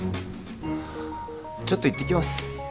ちょっと行ってきます